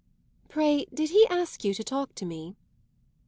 "Pray, did he ask you to talk to me?"